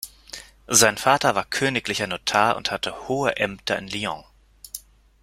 Sein Vater war königlicher Notar und hatte hohe Ämter in Lyon.